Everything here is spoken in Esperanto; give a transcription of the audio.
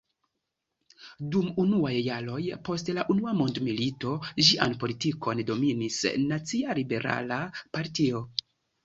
Dum unuaj jaroj post la unua mondmilito ĝian politikon dominis Nacia Liberala Partio.